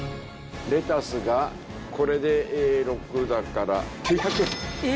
レタスがこれで６だから９００円。